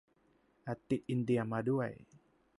อาจติดอินเดียมาด้วย